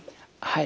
はい。